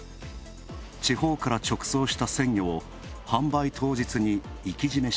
地方から直送した鮮魚を販売当日にいきじ